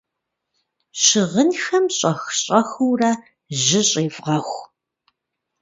Щыгъынхэм щӀэх-щӀэхыурэ жьы щӏевгъэху.